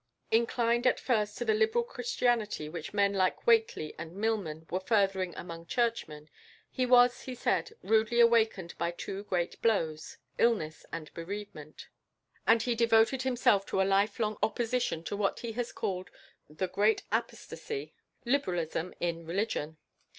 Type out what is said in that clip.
Inclined at first to the liberal Christianity which men like Whately and Milman were furthering among churchmen, he was, he says, "rudely awakened by two great blows illness and bereavement"; and he devoted himself to a life long opposition to what he has called "the great apostasy liberalism in religion."